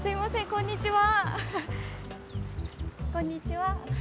こんにちは。